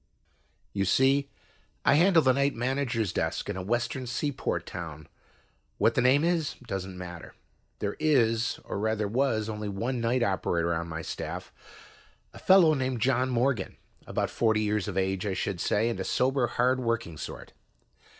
You see, I handle the night manager's desk in a western seaport town; what the name is, doesn't matter. There is, or rather was, only one night operator on my staff, a fellow named John Morgan, about forty years of age, I should say, and a sober, hard working sort.